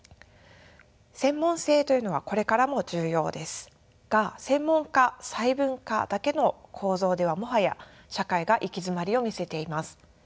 専門性というのはこれからも重要ですが専門化・細分化だけの構造ではもはや社会が行き詰まりを見せています。